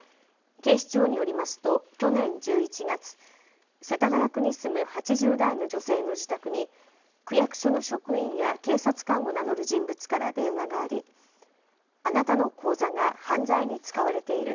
警視庁によりますと去年１１月、世田谷区に住む８０代の女性の自宅に区役所の職員や警察官を名乗る人物から電話がありあなたの口座が犯罪に使われている。